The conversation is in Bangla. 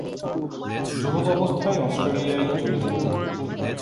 যুবক অবস্থায় অস্ট্রেলিয়ায় চলে যান তিনি।